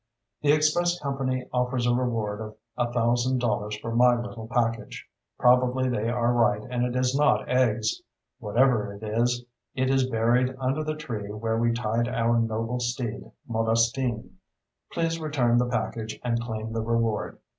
The express company offers a reward of a thousand dollars for my little package. Probably they are right and it is not eggs. Whatever it is, it is buried under the tree where we tied our noble steed, Modestine. Please return the package and claim the reward.